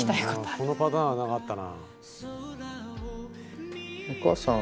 このパターンはなかったな。